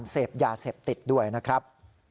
เสพยาเสพติดด้วยนะครับ